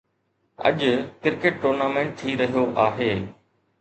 اڄ cricket tournament ٿي رهيو آهي.